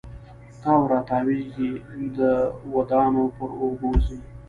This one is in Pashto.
تاو را تاویږې د دودانو پر اوږو ځي